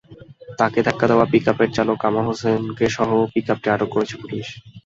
তাঁকে ধাক্কা দেওয়া পিকআপের চালক কামাল হোসেনকেসহ পিকআপটি আটক করেছে পুলিশ।